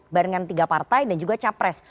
barengan tiga partai dan juga capres